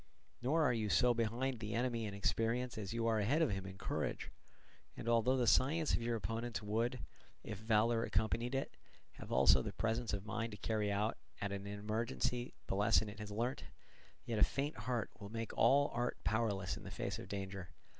Nor are you so behind the enemy in experience as you are ahead of him in courage; and although the science of your opponents would, if valour accompanied it, have also the presence of mind to carry out at in emergency the lesson it has learnt, yet a faint heart will make all art powerless in the face of danger.